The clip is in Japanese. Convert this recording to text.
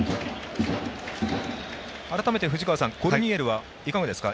改めてコルニエルはいかがですか。